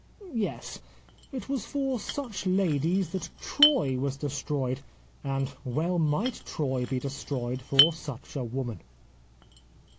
Yes ; it was for such ladies that Troy was destroyed, and well might Troy be destroyed for such a woman.'